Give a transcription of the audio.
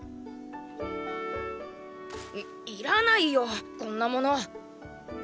いいらないよこんなもの。